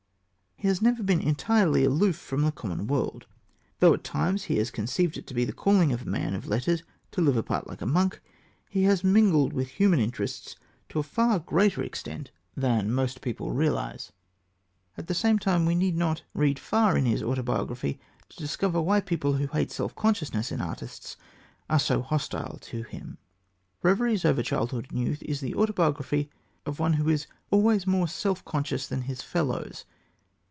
He has never been entirely aloof from the common world. Though at times he has conceived it to be the calling of a man of letters to live apart like a monk, he has mingled with human interests to a far greater extent than most people realize. He has nearly always been a politician and always a fighter. At the same time, we need not read far in his autobiography to discover why people who hate self consciousness in artists are so hostile to him. Reveries Over Childhood and Youth is the autobiography of one who was always more self conscious than his fellows.